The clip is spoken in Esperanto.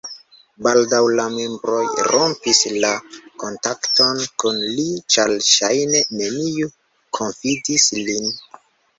Baldaŭ la membroj rompis la kontakton kun li ĉar ŝajne neniu konfidis lin.